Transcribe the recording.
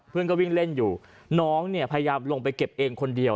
เพื่อนก็วิ่งเล่นอยู่น้องเนี่ยพยายามลงไปเก็บเองคนเดียว